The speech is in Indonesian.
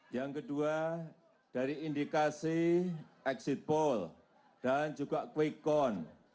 yang kedua dari indikasi exit poll dan juga quick count